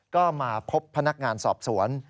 ก็มาพบพนักงานสอบสวน